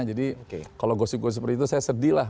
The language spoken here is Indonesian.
jadi kalau gosip gosip seperti itu saya sedih lah